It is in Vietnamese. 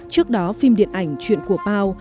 trước đó phim điện ảnh chuyện của pao